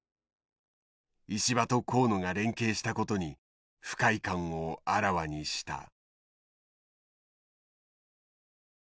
石破と河野が連携したことに不快感をあらわにした。